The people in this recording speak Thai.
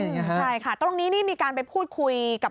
ใช่ค่ะตรงนี้นี่มีการไปพูดคุยกับ